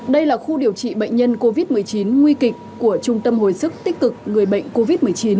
đây là khu điều trị bệnh nhân covid một mươi chín nguy kịch của trung tâm hồi sức tích cực người bệnh covid một mươi chín